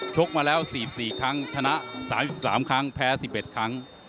กมาแล้ว๔๔ครั้งชนะ๓๓ครั้งแพ้๑๑ครั้ง